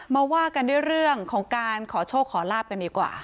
ว่ากันด้วยเรื่องของการขอโชคขอลาบกันดีกว่า